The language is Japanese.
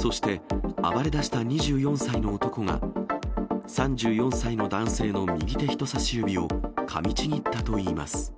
そして、暴れ出した２４歳の男が、３４歳の男性の右手人さし指をかみちぎったといいます。